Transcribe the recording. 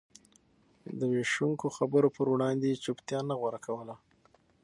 د وېشونکو خبرو پر وړاندې يې چوپتيا نه غوره کوله.